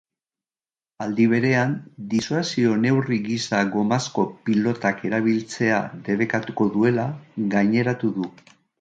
Aldi berean, disuasio-neurri gisa gomazko pilotak erabiltzea debekatuko duela gaineratu du.